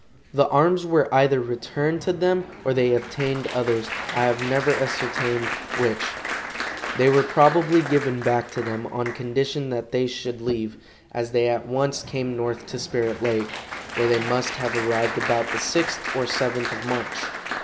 The arms were either returned to them or they obtained others, I have never ascertained which. They were probably given back to them on condition that they should leave, as they at once came north to Spirit lake, where they must have arrived about the 6th or 7th of March.